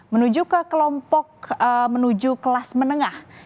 menuju ke kelompok menuju kelas menengah